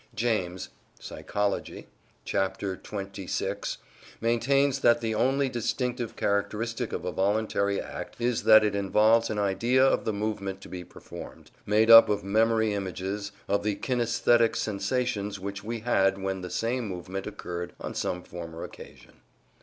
James ("Psychology," chap. xxvi) maintains that the only distinctive characteristic of a voluntary act is that it involves an idea of the movement to be performed, made up of memory images of the kinaesthetic sensations which we had when the same movement occurred on some former occasion.